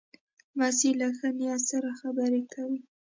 لمسی له ښه نیت سره خبرې کوي.